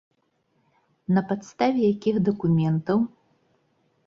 На падставе якіх дакументаў?